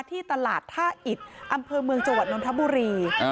ที่ตลาดท่าอิดอำเภอเมืองจังหวัดนทบุรี